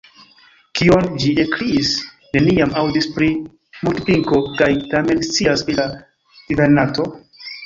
"Kion?" Ĝi ekkriis "neniam aŭdis pri Multimpliko kaj tamen scias pri la Divenarto? »